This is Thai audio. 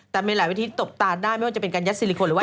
แต่มีหลายวิธีตบตาได้ไม่ว่าจะเป็นการยัดซิลิโคนหรือว่า